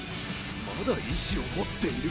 まだ意思を持っている！？